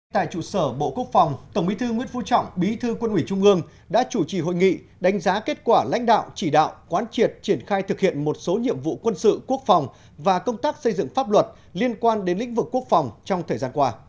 tại trụ sở bộ quốc phòng tổng bí thư nguyễn phú trọng bí thư quân ủy trung ương đã chủ trì hội nghị đánh giá kết quả lãnh đạo chỉ đạo quán triệt triển khai thực hiện một số nhiệm vụ quân sự quốc phòng và công tác xây dựng pháp luật liên quan đến lĩnh vực quốc phòng trong thời gian qua